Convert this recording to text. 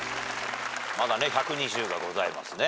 まだね１２０がございますね。